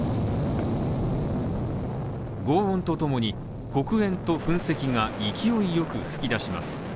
轟音とともに黒煙と噴石が勢いよく噴き出します。